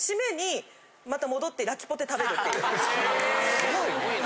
すごいね。